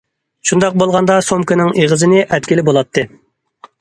شۇنداق بولغاندا سومكىنىڭ ئېغىزىنى ئەتكىلى بولاتتى.